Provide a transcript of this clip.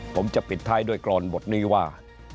ผมจะปิดท้ายด้วยกรอนบทนี้ว่า